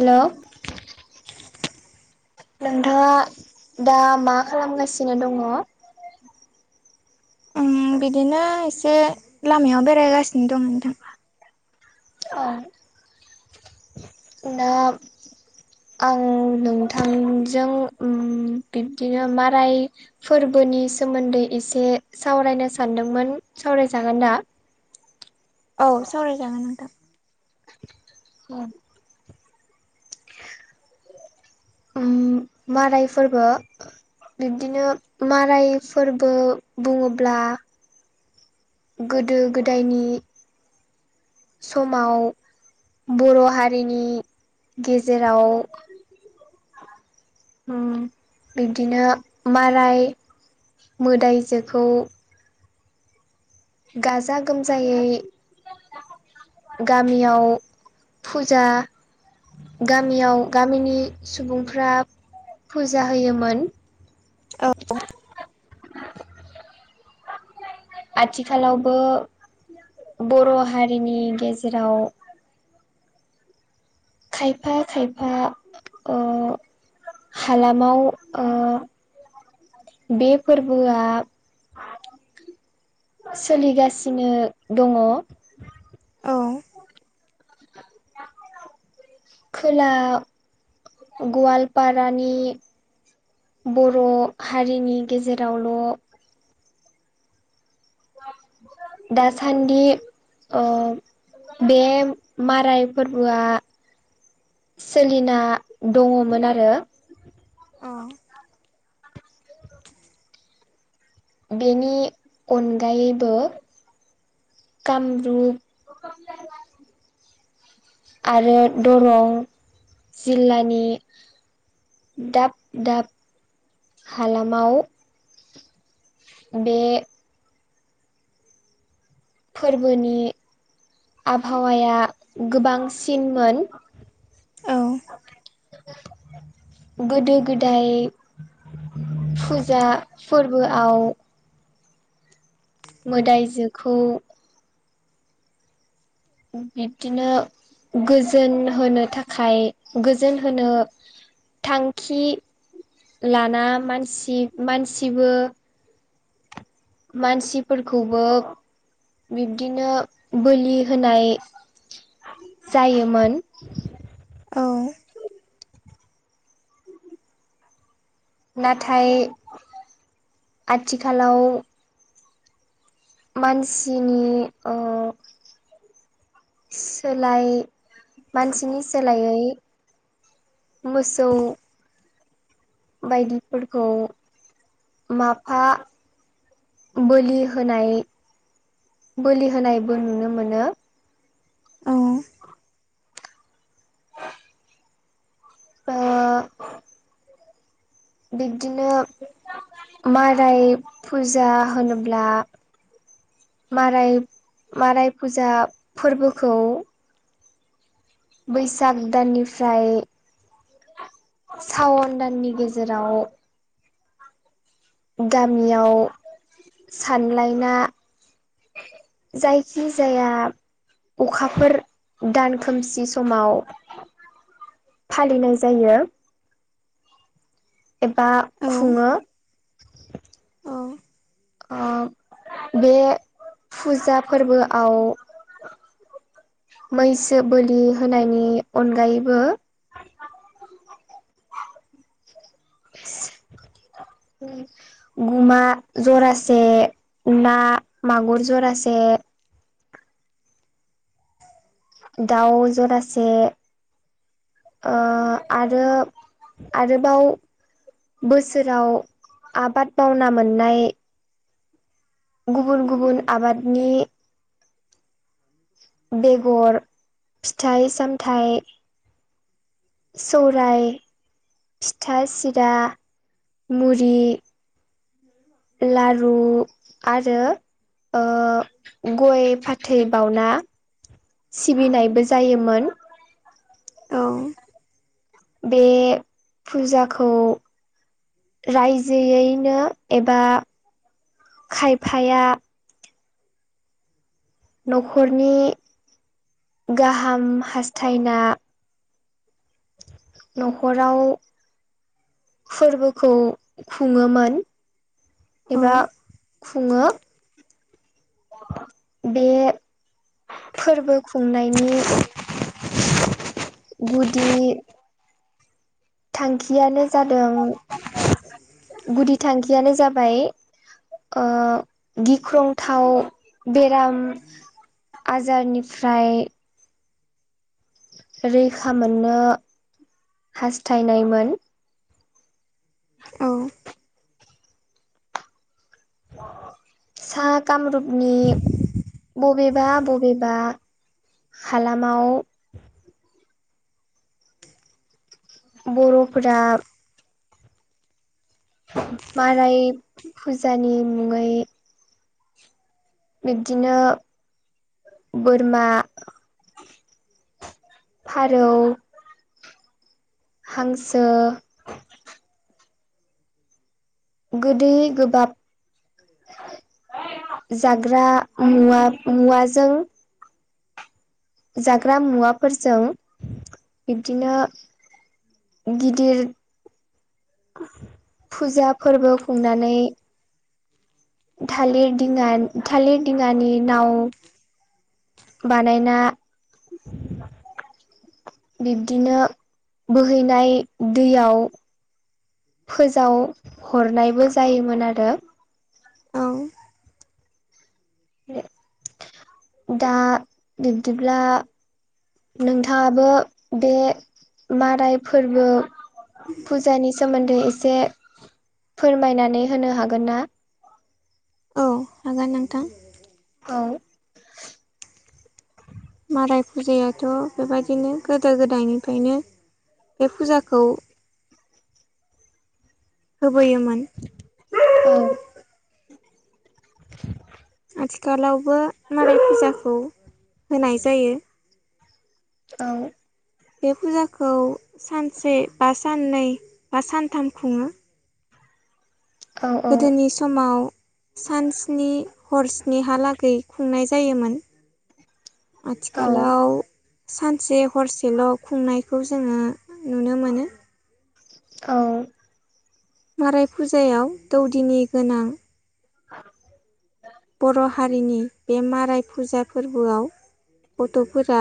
Hello नोंथाङा दा मा खालामगासिनो दङ? ओम बिदिनो एसे लामायाव बेरायगासिनो दं नोंथां। औ नाब आं नोंथांजों उम बिब्दिनो मा राय फोरबोनि सोमोन्दै एसे सावरायनो सानदोंमोन। सावरायजागोन दा? औ सावरायजागोन नोंथां। उम उम माराय फोरबो बिब्दिनो माराय फोरबो बुङोब्ला गोदो गोदायनि समाव बर' हारिनि गेजेराव उम बिब्दिनो माराय मोदायजोखौ गाजा गोमजायै गामियाव फुजा गामियाव गामिनि सुबुंफ्रा फुजा होयोमोन। औ आथिखालावबो बर' हारिनि गेजेराव खायफा खायफा ओ हालामाव ओ बे फोरबोआ सोलिगासिनो दङ औ [inaudible] खोला गवालपारानि बर' हारिनि गेजेरावल' दासान्दि ओ बे माराय फोरबोआ सोलिना दङमोन आरो। ओ बेनि अनगायैबो कामरुप आरो दरं जिल्लानि दाब दाब हालामाव बे फोरबोनि आबहावाया गोबांसिनमोन औ गोदो गोदाय फुजा फोरबोआव मोदायजोखौ बिबदिनो गोजोन होनो थाखाय गोजोन होनो थांखि लाना मानसि मानसिबो मानसिफोरखौबो बिब्दिनो बोलि होनाय जायोमोन औ नाथाय आथिखालाव मानसिनि ओ सोलाय मानसिनि सोलायै मोसौ बायदिफोरखौ माफा बोलि होनाय बोलि होनायबो नुनो मोनो औ ओ बिब्दिनो माराय फुजा होनोब्ला माराय माराय फुजा फोरबोखौ बैसाग दाननिफ्राय सावन दाननि गेजेराव गामियाव सानलायना जायखि जाया अखाफोर दान खोमसि समाव फालिनाय जायो। एबा औ खुङो ओ बे फुजा फोरबोआव मैसो बोलि होनायनि अनगायैबो [unintelligible] गुमा जरासे ना मागुर जरासे दाउ जरसे ओ आरो आरोबाव बोसोराव आबाद मावना मोननाय गुबुन गुबुन आबादनि बेगर फिथाइ सामथाइ सौराय फिथा सिरा मुरि [inaudible] लारु आरो ओ गय फाथै बावना सिबिनायबो जायोमोन औ बे फुजाखौ रायजोयैनो एबा खायफाया न'खरनि गाहाम हास्थायना न'खराव फोरबोखौ खुङोमोन एबा खुङो बे फोरबो खुंनायनि गुदि थांखियानो जादों गुदि थांखियानो जाबाय ओ गिख्रंथाव बेराम आजारनिफ्राय रैखा मोननो हास्थायनायमोन औ सा कामरुपनि बबेबा बबेबा हालामाव बर'फोरा माराय फुजानि मुङै बिब्दिनो बोरमा फारौ हांसो गोदै गोबाब जाग्रा मुवा मुवाजों जाग्रा मुवाफोरजों बिब्दिनो गिदिर फुजा फोरबो खुंनानै थालिर दिङा थालिर दिङानि नाव बानायना बिब्दिनो बोहैनाय दैयाव फोजावहरनायबो जायोमोन आरो औ दा बिब्दिब्ला नोंथाङाबो बे माराय फोरबो फुजानि सोमोन्दै एसे फोरमायनानै होनो हागोन ना औ हागोन नोंथां औ माराय फुजायाथ' बेबायदिनो गोदो गोदायनिफ्रायनो बे फुजाखौ होबोयोमोन औ [inaudible] आथिखालावबो मालाय फुजाखौ होनाय जायो औ बे फुजाखौ सानसे बा साननै बा सानथाम खुङो औ औ गोदोनि समाव सान सनि हरस्निहालागै खुंनाय जायोमोन औ आथिखालाव सानसे हरसेल' खुंनायखौ जोङो नुनो मोनो औ बाराय फुजायाव दौदिनि गोनां [unintelligible] बर' हारिनि बे माराय फुजा फोरबोआव गथ'फोरा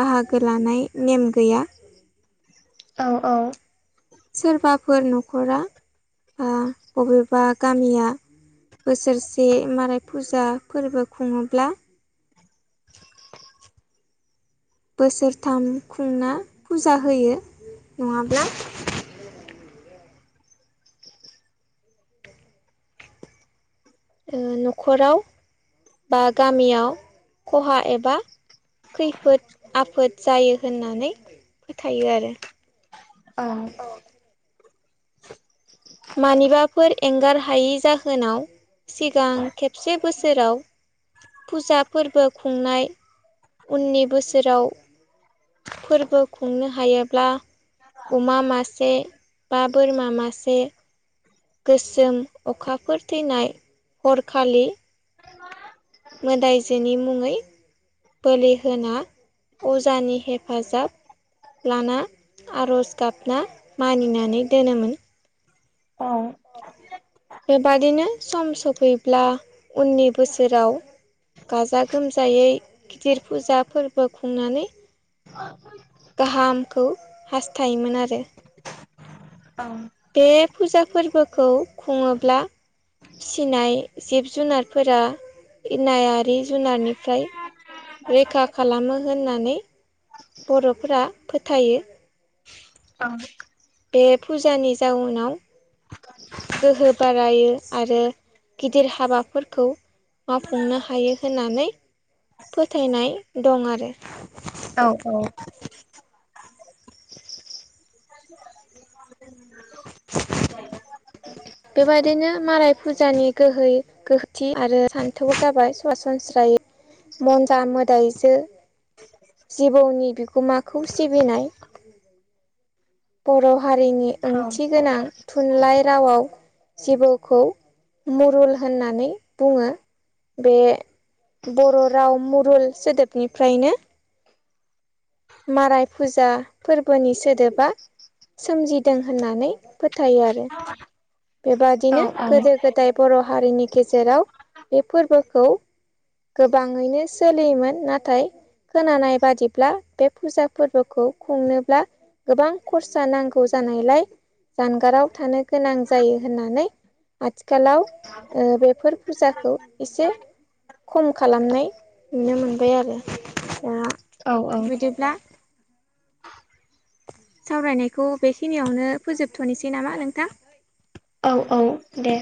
बाहागो लानाय नेम गैया औ-औ सोरबाफोर न'खरा बा बबेबा गामिया बोसोरसे माराय फुजा फोरबो खुङोब्ला बोसोरथाम खुंना फुजा होयो नङाब्ला न'खराव बा गामियाव खहा एबा खैफोद आफोद जायो होननानै फोथायो आरो औ मानिबाफोर एंगार हायि जाहोनाव सिगां खेबसे बोसोराव फुजा फोरबो खुंनाय उननि बोसोराव फोरबो खुंनो हायोब्ला अमा मासे बा बोरमा मासे गोसोम अखाफोर थैनाय हरखालि मोदायजोेनि मुङै बोलि होना अजानि हेफाजाब लाना आर'ज गाबना मानिनानै दोनोमोन। औ बेबादिनो सम सफैब्ला उननि बोसोराव गाजा गोमजायै गिदिर फुजा फोरबो खुंनानै [inaudible] गाहामखौ हास्थायोमोन आरो। औ बे फुजा फोरबोखौ खुङोब्ला फिसिनाय जिब जुनारफोरा इनायारि जुनारनिफ्राय रैखा खालामो होननानै बर'फोरा फोथायो। [unintelligible] बे फुजानि जाउनाव गोहो बारायो आरो गिदिर हाबाफोरखौ मावफुंनो हायो होननानै फोथायनाय दं आरो। औ-औ [inaudible] [unintelligible] बेबायदिनो माराय फुजानि गोहोयै गोहोथि आरो सान्थौबो जाबाय सरासनस्रायै। मन्जा मोदायजो जिबौनि बिगोमाखौ सिबिनाय बर' हारिनि ओंथि गोनां थुनलाइ रावाव जिबौखौ मुरुल होननानै बुङो बे बर' राव मुरुल सोदोबनिफ्रायनो माराय फुजा फोरबोनि सोदोबा सोमजिदों होननानै फोथायो आरो। बेबादिनो गोदो गोदाय बर' हारिनि गेजेराव बे फोरबोखौ गोबाङैनो सोलियोमोन नाथाय खोनानाय बादिब्ला बे फुजा फोरबोखौ खुंनोब्ला गोबां खरसा नांगौ जानायलाय जानगाराव थानो गोनां जायो होननानै आथिखालाव बेफोर फुजाखौ एसे खम खालामनाय नुनो मोनबाय आरो। दा बिदिब्ला सावरायनायखौ बेखिनियावनो फोजोबथ'नोसै नामा नोंथां? औ औ दे